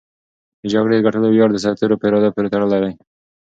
د جګړې د ګټلو ویاړ د سرتېرو په اراده پورې تړلی دی.